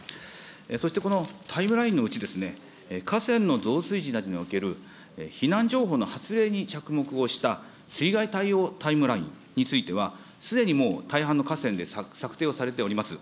そしてこのタイムラインのうち、河川の増水時などにおける避難情報の発令に着目をした水害対応タイムラインについては、すでにもう大半の河川で策定をされております。